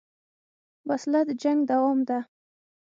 وسله د جنګ دوام ده